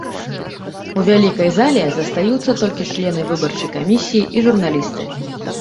У вялікай зале застаюцца толькі члены выбарчай камісіі і журналісты.